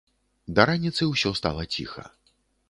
Да раніцы ўсё стала ціха.